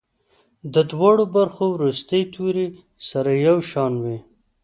د دواړو برخو وروستي توري سره یو شان وي.